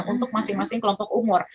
untuk masing masing kelompok umur